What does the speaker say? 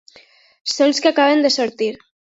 Sols que acaben de sortir.